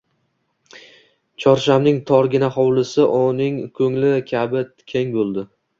Chorshamning torgina hovlisi uning ko’ngli kabi keng bo’ldi